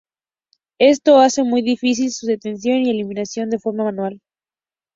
Esto hace muy difícil su detección y eliminación de forma manual.